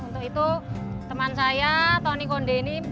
untuk itu teman saya tony konde ini